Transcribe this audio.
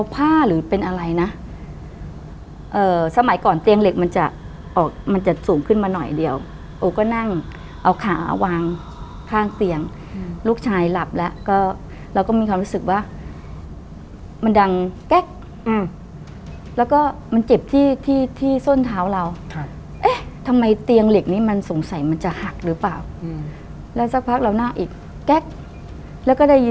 ผ้าหรือเป็นอะไรนะเอ่อสมัยก่อนเตียงเหล็กมันจะออกมันจะสูงขึ้นมาหน่อยเดียวโอก็นั่งเอาขาวางข้างเตียงลูกชายหลับแล้วก็เราก็มีความรู้สึกว่ามันดังแก๊กอืมแล้วก็มันเจ็บที่ที่ส้นเท้าเราครับเอ๊ะทำไมเตียงเหล็กนี้มันสงสัยมันจะหักหรือเปล่าแล้วสักพักเราหน้าอีกแก๊กแล้วก็ได้ยิน